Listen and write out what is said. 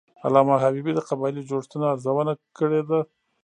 علامه حبیبي د قبایلي جوړښتونو ارزونه کړې ده.